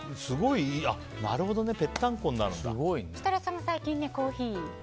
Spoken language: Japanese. なるほどね設楽さんも最近コーヒー。